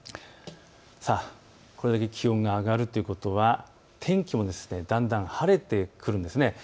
これだけ気温が上がるということは天気もだんだん晴れてくるんです。